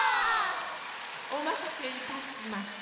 おまたせいたしました。